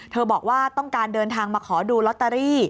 บอกว่าต้องการเดินทางมาขอดูลอตเตอรี่